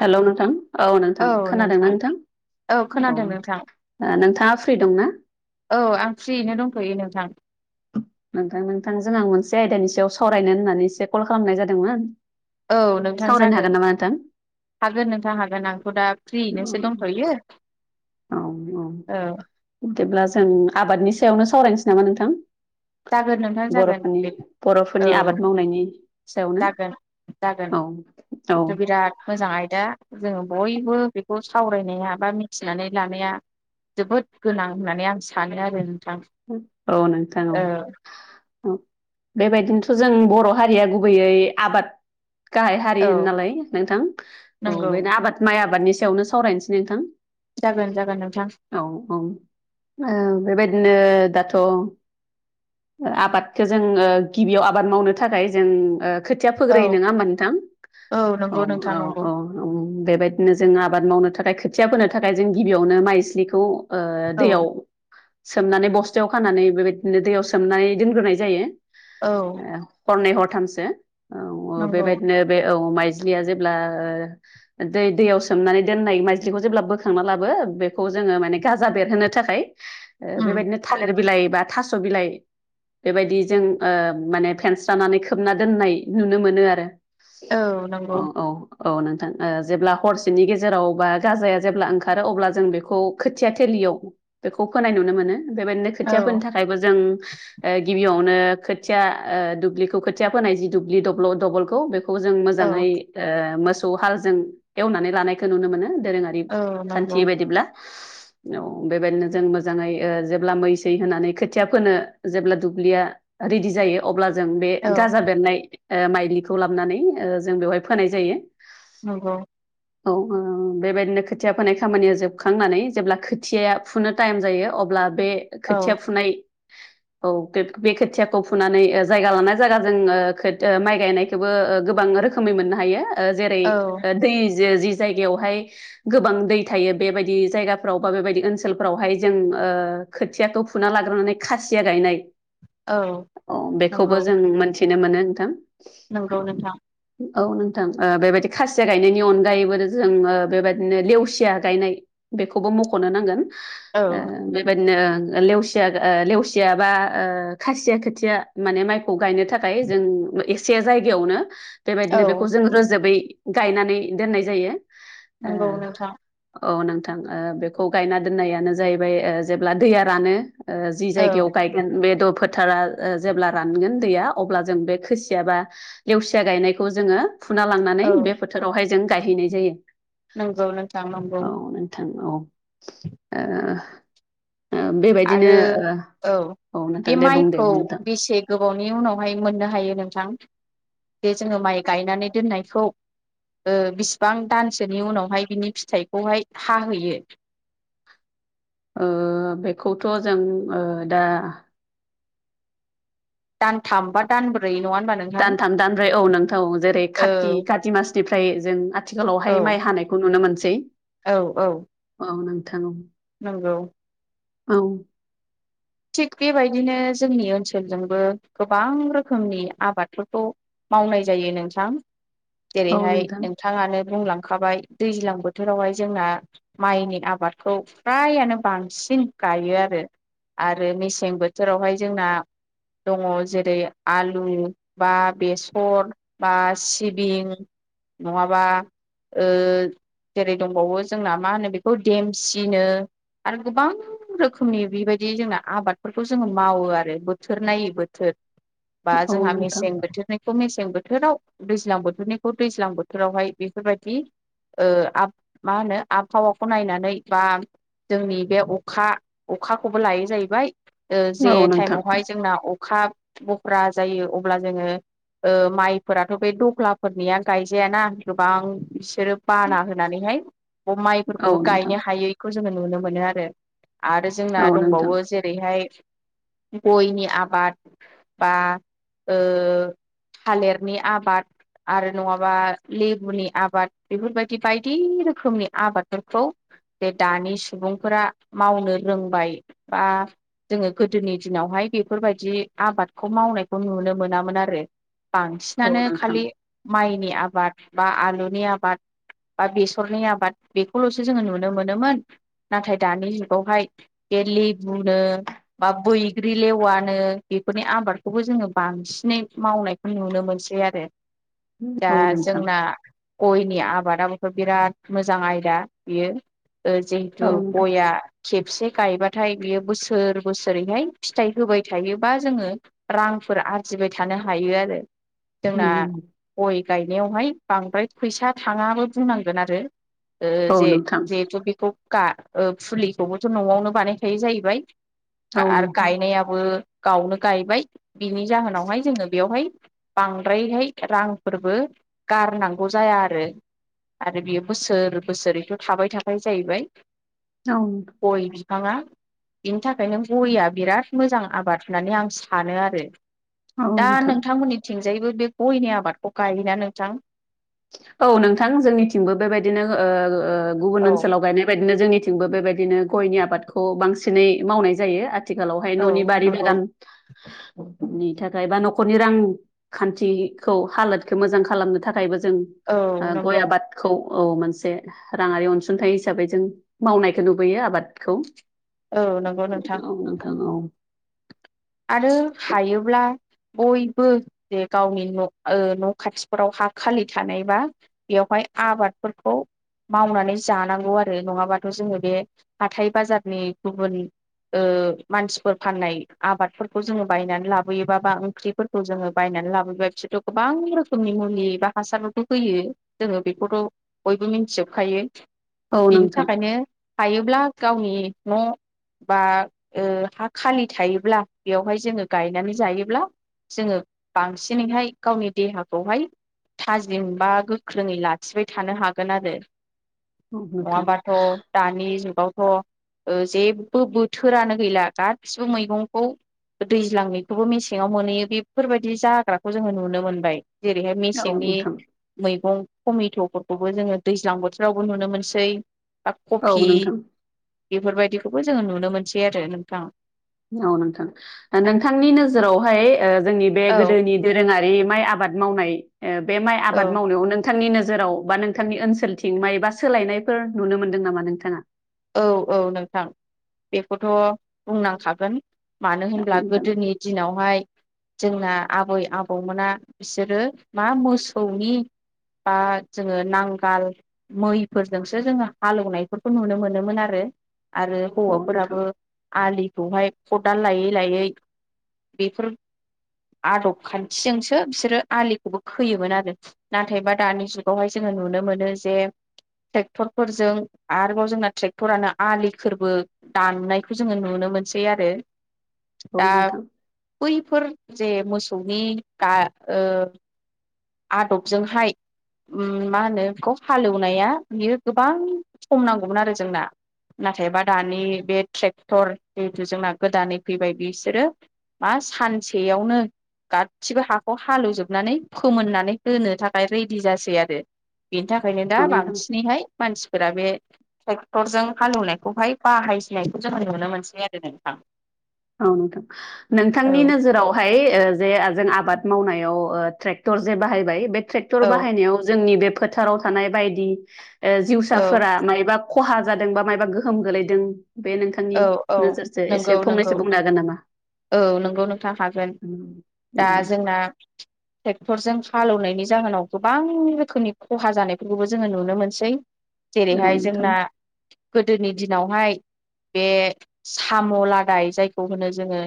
Hello नोंथां? औ नोंथां, खोनादों ना नोंथां? औ खोनादों नोंथां नोंथाङा फ्रि दंना? औ आं फ्रियैनो दंथ'यो नोंथां। नोंथां नोंथांजों आं मोनसे आयदानि सायाव सावरायनो होननानै एसे कल खालामनाय जादोंमोन। औ नोंथां सावरायनो हागोन जागोन। नामा नोंथां हागोन नोंथां हागोन आंथ' दा फ्रियैनोसो दंथ'यो। औ औ। बिदिब्ला जों आबादनि सायावनो सावरायनोसै नामा नोंथां? जागोन नोंथां जागोन बर'फोरनि बे औ बर'फोरनि आबाद मावनायनि सायावनो। जागोन जागोन औ बेथ' बिराद मोजां आयदा। जोङो बयबो बेखौ सावरायनाया बा मिथिनानै लानाया जोबोद गोनां होननानै आं सानो आरो। नोंथां औ नोंथां औ। औ बेबायदिनोथ' जों बर' हारिया गुबैयै आबाद गाहाय हारि औ होनोलाय नोंथां। औ नंगौ बेनो आबाद माइ आबादनि सायावनो सावरायनोसै नोंथां। जागोन जागोन नोंथां औ औ ओ बेबादि नो दाथ' ओ आबादखौ जों ओ गिबियाव आबाद मावनो थाखाय जों ओ खोथिया औ फोग्रोयो, नोङा होमबा नोंथां? औ नंगौ नोंथां औ नंगौ औ औ बेबायदिनो जों आबाद मावनो था खाय खोथिया फोनो थाखाय जों गिबियावनो माइज्लिखौ ओ औ दैयाव सोमनानै बस्थायाव खानानै बेबायदिनो दैयाव सोमनानै दोनग्रोनाय जायो। औ। हरनै हरथामसो। औ नंगौ बेबायदिनो बे औ। माइज्लिया जेब्ला ओ दै-दैयाव सोमनानै दोननाय माइज्लिखौ जेब्ला बोखांना लाबो बेखौ जोङो माने गाजा बेरहोनो थाखाय ओ उम बेबायदिनो थालेर बिलाइ बा थास' बिलाइ बेबायदि जों ओ माने फेनस्रानानै खोबना दोननाय नुनो मोनो आरो। औ नंगौ। औ नोंथां। ओ जेब्ला हरसेनि गेजेराव बा गाजाया जेब्ला ओंखारो अब्ला जों बेखौ खोथिया थेलि याव बेखौ फोनाय नुनो मोनो। बेबादिनो औ खोथिया फोनो थाखायबो जों ओ गिबियावनो खोथिया ओ दुब्लिखौ खोथिया फोनाय जि दुब्लि दब्ल' दबलखौ बे खौ जों औ मोजाङै ओ मोसौ हालजों एवनानै लानायखो नुनो मोनो। दोरोङारि औ खान्थि नंगौ बायदिब्ला। औ बेबायदिनो जों मो जाङै ओ जेब्ला मैसै होनानै खोथिया फोनो जेब्ला दुब्लिया रिदि जायो अब्ला जों बे औ गाजा बेरनाय ओ माइलिखौ लाबनानै जों बेवहाय फोनाय जायो। नंगौ। औ-औ-औ बेबायदिनो खोथिया फोनाय खामानिया जोबखांनानै जेब्ला खोथियाया फुनो टाइम‌। जायो अब्ला बे औ खोथिया फुनाय। औ बे-बे खोथियाखौ फुनानै ओ जायगा लाना जायगा जों ओ माइ गायनायखौबो ओ गोबां। रोखोमनि मोननो हायो ओ जेरै औ दै। जे जि जायगायावहाय गोबां दै थायो बेबायदि जायगाफ्राव बा बेबायदि ओनसोलफ्रावहाय। जों ओ खोथियाखौ फुना लाग्रोनानै खासिया गायनाय। औ अ नंगौ बेखौबो जों मोनथिनो मोनो नोंथां। नंगौ नोंथां। औ नोंथां ओ बेबायदि खासिया गायनायनि अनगायैबो जों बेबायदिनो लेवसिया गायनाय। बेखौबो मख'नो नांगोन औ ओ बेबायदि। नो लेवसिया-लेवसिया बा ओ खासिया खोथिया माने माइखौ गायनो थाखाय। जों एसे जायगायावनो। औ बेबायदिनो बेखौ जों रोजोबै गायनानै दोननाय जायो। ओ नंगौ नोंथां। औ नोंथां ओ बेखौ गायना दोननायानो जाहैबाय ओ‌ जेब्ला दैया रानो। ओ जि औ जायगायाव गायगोन बे दफोद। फोथारा जेब्ला रानगोन दैया अब्ला जों बे खोसिया बा लेवसिया गायनायखौ जोङो। फुना लांनानै औ बे बोथोरावहाय जों गायहैनाय जायो। नंगौ नोंथां नंगौ! औ नोंथां औ। ओ। बेबायदिनो आरो ओ औ‌। औ नोंथां बे दे बुं दे माइखौ बुं नोंथां बेसे गोबावनि उनावहाय मोननो हायो नोंथां? जे जोङो माइ गायनानै दोननायखौ। ओ बिसिबां दानसोनि उनावहाय बिनि फिथाइखौहाय हाहैयो? ओ बेखौथ' जों ओ दा। दानथाम बा दानब्रै। नङा होनबा नोंथां दानथाम, दानब्रै औ नोंथां जेरै औ खाति काति मासनिफ्राय जों। आथिखालावहाय औ माइ हानायखौ नुनो मोनसै। औ- औ। औ नोंथां ओ। नंगौ। औ। थिग बेबायदिनो जोंनि ओनसोलजोंबो गोबां रोखोमनि आबादफोरखौ। मावनाय जायो नोंथां औ जेरैहाय नोंथां नोंथाङानो। बुंलांखाबाय दैज्लां बोथोरावहाय जोंहा माइनि आबादखौ फ्रायानो बांसिन। सिन गायो आरो आरो मेसें बोथोरावहाय जोंना। दङ' जेरै आलु बा, बेसर बा, सिबिं। नंङाबा ओ। जेरै दंबावो जोंना मा होनो बेखौ देमसिनो। आरो गोबां रोखोमनि बेबायदि। बिदि जोंना आबादफोरखौ जोङो मावो आरो बोथोर नायै बोथोर। बा औ जोंहा नोंथां मेसें बोथोरनिखौ मेसें। सें बोथोराव दैज्लां बोथोरनिखौ दैज्लां बोथोरावहाय बेफोरबायदि। ओ आब मा होनो? आबहावाखौ नायनानै बा। जोंनि बे अखा-अखाखौबो लायो जाहैबाय ओ औ जे नोंथां टाइमावहाय जोंना अख। अखा बख्रा जायो अब्ला जोङो। ओ माइफोराथ' बे दख्लाफोरनिया गायजायाना गोबां बि। ग्रोब बाना होनानैहाय ब औ माइफोरखौबो नोंथां गायनो हायैखौ जोङो नुनो मोनो आरो! आरो जोंना औ नोंथां दंबावो जेरैहाय गयनि आबाद बा ओ थालिरनि आबाद आरो नङाबा लेबुनि आबाद बेफोरबादि बायदि रोखोमनि आबादफोरखौ जे दानि सुबुंफोरा मावनो रोंबाय। बा जोङो गोदोनि दिनावहाय बेफोरबायदि आबादखौ मावनायखौ नुनो मोनामोन आ रो औ बांसिनानो नोंथां खालि माइनि आबाद बा आलुनि आबाद बा बेसरनि आबाद बेखौल'सो जोङो नुनो मोनोमोन नाथाय दानि जुगावहाय बे लेबुनो बा बैग्रि लेवानो बेफोरनि आबादखौबो जोङो बांसि नै मावनायखौ नुनो मोनसै आरो दा औ नोंथां जोंना गयनि आबादाबोथ' बिराद मोजां आयदा बियो। ओ जिहेतु औ नोंथां गया खेबसे गायबाथाय बियो बोसोर बोसोरैहाय फिथाइ होबाय थायोबा जोङो रांफोर आरजि बाय थानो हायो आरो। जोंना गय गायनायावहाय बांद्राय फैसा थाङाबो बुंनांगोन आरो। ओ औ जे नोंथां जिहेथु बेखौ गा ओ फुलिखौबोथ' न'आवनो बानायखायो जाहैबाय औ नोंथां औ आरो गायनायाबो गावनो गायबाय बिनि जाहोनावहाय जोङो बेवहाय बांद्रायहाय रांफोरबो गारनांगौ जाया आरो। आरो बियो बोसोर बोसोरैथ' थाबाय थाखायो जाहैबाय औ फाङा बिनि थाखायनो गयआ बिराद मोजां आबाद होननानै आं सानो आरो। औ दा नोंथां नोंथांमोननिथिंजायबो बे गयनि आबादखौ गायोना नोंथां? औ नोंथां जोंनिथिंबो बेबादिनो ओ गुबुन औ ओनसोलाव गायनाय बाय दिनो जोंनिथिंबो बेबादिनो गयनि आबादखौ बांसिनै मावनाय जायो आ थिखालावहाय औ न'नि बारि नंगौ बागान बिनि थाखाय बा न'खरनि रांखान्थिखौ हालोदखो मोजां खालामनो थाखायबो जों औ ओं गय नंगौ आबादखौ औ मोनसे राङारि अनसुंथाइ हिसाबै जों मावनायखो नुबोयो आबादखौ! ओ नंगौ औ नोंथां! औ आरो हायोब्ला बयबो जे गावनि ओ न' खाथिफोराव हा खालि थानायबा बेयाव हाय आबादफोरखौ मावनानै जानांगौ आरो नङाबाथ' जोङो बे हाथाइ बाजारनि गुबुन ओ मानसिफोर फाननाय आबादफोरखौ जोङो बायनानै लाबोयोबा बा ओंख्रिफोरखौ जोङो बायनानै लाबोबा बिसोरथ' गोबां रोखोमनि मुलि एबा हासारावथ' होयो जोङो बेखौथ' बयबो मिन्थिजोबखायो औ बिनि नोंथां थाखायनो हायोब्ला गावनि न' बा ओ हा खालि थायो ब्ला बेवहाय जोङो गायनानै जायोब्ला जोङो बांसिनैहाय गावनि देहाखौहाय थाजिम बा गोख्रोङै लाखिबाय थानो हागोन आरो औ नोंथां नङाबाथ' दानि जुगावथ'- ओ जेबो बोथोरानो गैला गासिबो मैगं खौ दैज्लांनिखौबो मेसेङाव मोनहैयो बेफोरबादि जाग्राखौ जोङो नुनो मोनबाय जेरैहाय औ मेसेंनि नोंथां मैगं- टमेट'फोरखौबो जोङो दैज्लां बोथोरावबो नुनो मोनसै बा औ कफि नोंथां बेफोरबायदिखौबो जोङो नुनो मोनसै आरो नोंथां! औ नोंथां नोंथांनि नोजोरावहाय ओ जोंनि बे औ गोदोनि दोरोङारि माइ आबाद मावनाय बे माइ औ आबाद मावनायाव नोंथांनि नोजोर नोजोराव बा नोंथांनि ओनसोलथिं माबा सोलायनायफोर नुनो मोन्दों नामा नोंथाङा? औ औ नोंथां बेखौथ' बुंनांखागोन। मानो औ होनब्ला नोंथां गोदोनि दिनावहाय जोंना आबै आबौमोना बिसोरो मा मोसौनि बा जोङो नांगाल मैफोरजोंसो जोङो हालेवनायफोरखौ नुनो मोनोमोन। आरो औ नोंथां हौवाफोराबो आलिखौहाय खदाल लायै लायै बेफोर आदब खान्थिजोंसो बिसोरो आलिखौबो खोयोमोन आरो नाथायबा दानि जुगावहाय जोङो नुनो मोनो जे ट्रेक्टर फोरजों आरोबाव जोंना ट्रेक्टरानो आलिफोरबो दाननायखौ जोङो नुनो मोनसै। औ दा नोंथां। बैफोर जे मोसौनि आदबजोंहाय मा होनो बेखौ हालेवनाया बियो गोबां सम नांगौमोन आरो जोंना। नाथायबा दानि बे ट्रेक्टर जिहेथु जोंना गोदानै फैबाय बिसोरो मा सानसेयावनो गासिबो हाखौ हालेवजोबनानै फोमोननानै होनो थाखाय रेङि जासै आरो बेनि थाखायनो दा औ नोंथां बांसिनैहाय मानसिफोरा बे ट्रेक्टरजों हालेवनायखौहाय बाहाय सिननायखौ जोङो नुनो मोनसै आरो नोंथां। औ नोंथां नोंथांनि औ नोजोरावहाय जे जों आबाद मावनायाव ट्रेक्टर जे बाहायबाय बे ट्रेक्टर औ बाहायनायाव जोंनि बे फोथाराव थानाय बायदि जिउसाफोरा मायबा खहा जादों बा मायबा गोहोम गोलैदों बे नोंथांनि औ नोजोरजों एसे फंनैसो औ बुंनो हागोन नामा? नोंगौ नोंथाङा हागोन औ दा जोंना ट्रेक्टरजों हालौनायनि जाहोनाव गोबां रोखोमनि खहा जानायफोरखौबो जोङो नुनो मोनसै। जेरैहाय नोंथां जोंना गोदोनि दिनावहाय बे साम' लादाय जायखौ होनो जोङो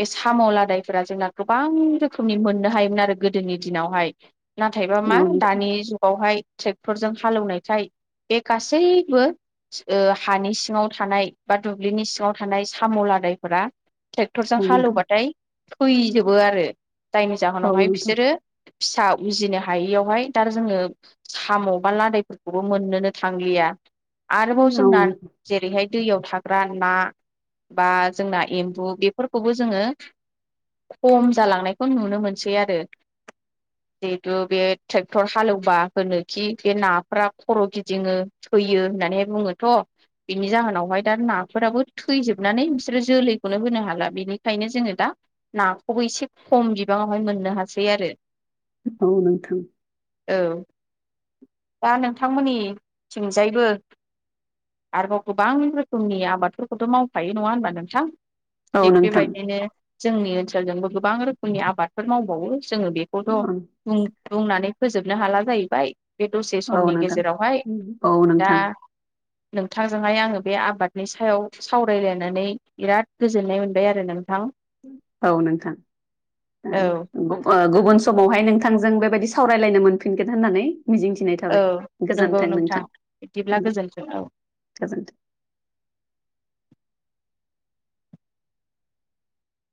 बे साम' लादायफोरा जोंना गोबां रोखोमनि मोननो हायोमोन आरो गोदोनि दिनावहाय। नाथायबा मा औ नोंथां दानि जुगावहाय ट्रेक्टरजों हालेवनायखाय बे गासैबो हानि सिङाव थानाय बा दुब्लिनि सिङाव थानाय साम' लादायफोरा औ ट्रेक्टरजों नोंथां हालेवबाथाय थैजोबो आरो जायनि औ जाहोनावहाय नोंथां बिसोरो फिसा उजिनो हायियावहाय दा जोङो साम' बा लादैफोरखौबो मोननोनो थांलिया। आरोबाव औ जोंना जेरैहाय दैयाव थाग्रा ना बा जोंना एम्बु बेफोरखौबो जोङो खम जालांनायखौ नुनो मोनसै। जिहेथु बे ट्रेक्टर हालेवबा होनोखि बे नाफोरा खर' गिदिङो थैयो होननानै बुङोथ' बिनि जाहोनावहाय दा नाफोराबो थैजोबनानै बिसोरो जोलैखौनो होनो हाला बेनिखायनो जोङो दा नाखौबो एसे खम बिबाङावहाय मोननो हासै। औ नोंथां। औ। दा नोंथां मोननि थिंजायबो आरोबाव गोबां रोखोमनि समनि आबादफोरखौथ' मावखायो नङा होनबा नोंथां? औ थिग नोंथां बेबायदिनो जोंनि ओनसोल हाल जोंबो गोबां रोखोमनि आबादफोर मावबावो जोङो बेखौथ' बुंनानै फोजोबनो हाला जाहैबाय। बे दसे समनि गेजेरावहाय औ दा नोंथां नोंथांजोंहाय आङो बे आबादनि सायाव सावरायलायनानै बिराद गोजोननाय मोनबाय आरो नोंथां। औ नोंथां औ उन समावहाय नोंथांजों बेबायदि सावरायलायनो मोनफिनगोन होननानै। मिजिंथिनाय औ थाबाय नंगौ गोजोन्थों नोंथां। बिदिब्ला गोजोन्थों औ गोजोन्थों।